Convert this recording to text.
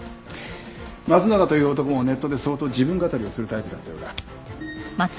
松永という男もネットで相当自分語りをするタイプだったようだ。